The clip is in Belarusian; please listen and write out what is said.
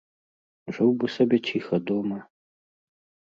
Жыў бы сабе ціха дома.